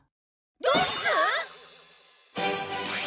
ドイツ！？